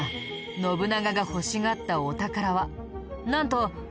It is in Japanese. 信長が欲しがったお宝は。